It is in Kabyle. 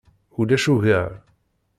Ulac ugar.